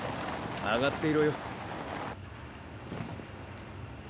上がっていろよ。